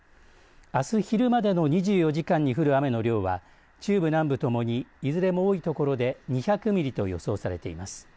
あす昼までの２４時間に降る雨の量は中部・南部ともにいずれも多い所で２００ミリと予想されています。